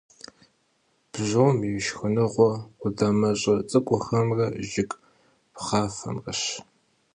Бжьом и шхыныгъуэр къудамэщӏэ цӏыкӏухэмрэ жыг пхъафэмрэщ.